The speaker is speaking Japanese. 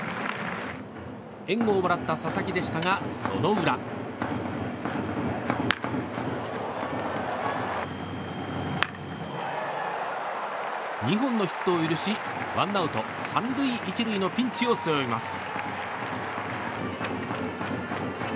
援護をもらった佐々木でしたがその裏。２本のヒットを許しワンアウト３塁１塁のピンチを背負います。